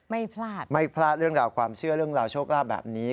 ไม่พลาดไม่พลาดเรื่องราวความเชื่อเรื่องราวโชคลาภแบบนี้